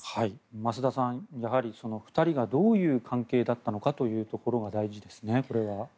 増田さんやはり２人がどういう関係だったのかというところが大事ですね。